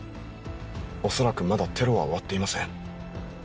恐らくまだテロは終わっていません。